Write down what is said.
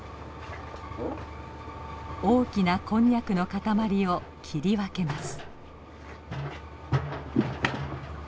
大きなこんにゃくの塊を切り分けます。